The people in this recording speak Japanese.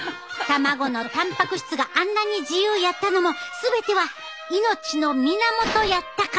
卵のたんぱく質があんなに自由やったのも全ては命の源やったからなんやな。